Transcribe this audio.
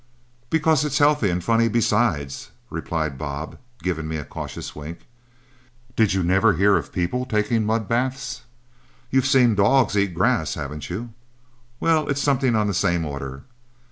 "Because it's healthy and funny besides," replied Bob, giving me a cautious wink. "Did you never hear of people taking mud baths? You've seen dogs eat grass, haven't you? Well, it's something on the same order.